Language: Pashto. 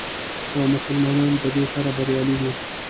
او مسلمانان په دې سره بریالي دي.